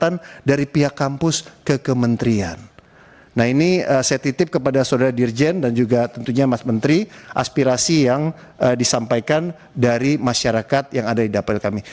nah ini saya titip kepada saudara dirjen dan juga tentunya mas menteri aspirasi yang disampaikan dari masyarakat yang ada di dapil kami